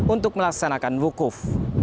untuk melaksanakan wukuf